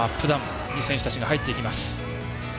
ダウンに選手たちが入っていきます。